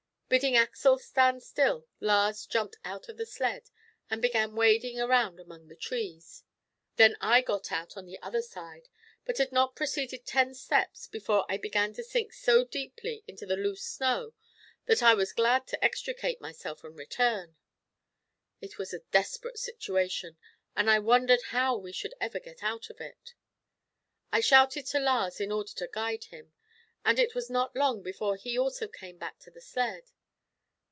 Bidding Axel stand still, Lars jumped out of the sled, and began wading around among the trees. Then I got out on the other side, but had not proceeded ten steps before I began to sink so deeply into the loose snow that I was glad to extricate myself and return. It was a desperate situation, and I wondered how we should ever get out of it. I shouted to Lars, in order to guide him, and it was not long before he also came back to the sled.